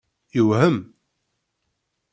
Yewhem?